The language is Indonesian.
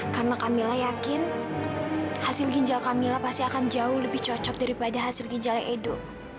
karena kamilah yakin hasil ginjal kamila pasti akan jauh lebih cocok daripada hasil ginjal edo